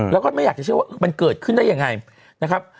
แล้วก็ไม่อยากจะเชื่อว่ามันเกิดขึ้นได้ยังไงนะครับ